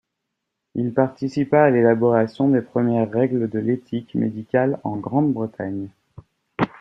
Il participa à l'élaboration des premières règles de l'éthique médicale en Grande-Bretagne.